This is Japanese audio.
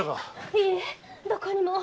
いいえどこにも。